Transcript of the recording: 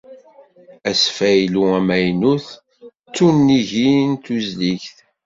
Asfaylu amaynut n tunigin tusligt.